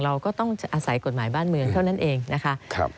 เราก็ต้องอาศัยกฎหมายบ้านเมืองเท่านั้นเองนะคะ